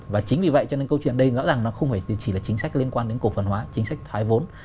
và chính vì vậy cho nên câu chuyện ở đây rõ ràng nó không phải chỉ là chính sách liên quan đến cổ phần hóa chính sách thoái vốn